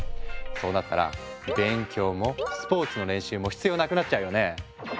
そうなったら勉強もスポーツの練習も必要なくなっちゃうよね。